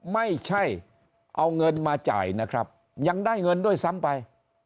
ไม่ใช่เอาเงินมาจ่ายนะครับยังได้เงินด้วยซ้ำไป